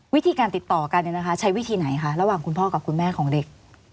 วิธีการติดต่อกันใช้วิธีไหนคะระหว่างคุณพ่อกับคุณแม่ของเด็ก